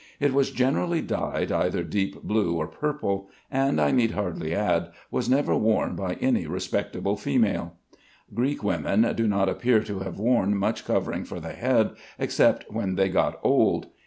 It was generally dyed either deep blue or purple, and I need hardly add, was never worn by any respectable female. Greek women do not appear to have worn much covering for the head, except when they got old.